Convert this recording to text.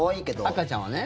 赤ちゃんはね。